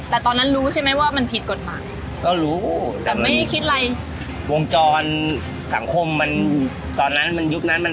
แต่ตอนนั้นรู้ใช่ไหมว่ามันผิดกฎหมาย